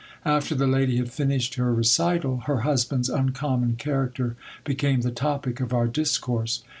After the lady had finished her recital, her husband's uncommon character became the topic of our discourse.